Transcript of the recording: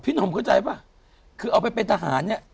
พี่หน่าทรมานข้อใจปะคือเอาไปไปทหารเนี่ย